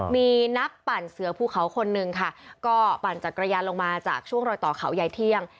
มีนักปั่นเสือภูเขาคนหนึ่งค่ะก็ปั่นจักรยานลงมาจากช่วงรอยต่อเขายายเที่ยง